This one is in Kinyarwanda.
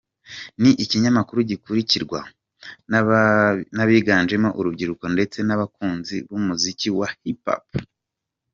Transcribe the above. Ni ikinyamakuru gikurikirwa n’abiganjemo urubyiruko ndetse n’abakunzi b’umuziki wa Hip Hop.